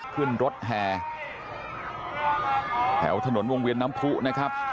ขึ้นรถแห่แถวถนนวงเวียนน้ำผู้นะครับ